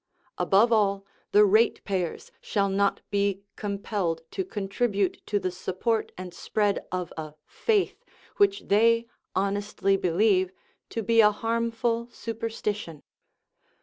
Above all, the ratepayers shall not be compelled to contribute to the support and spread of a " faith " which they hon estly believe to be a harmful superstition.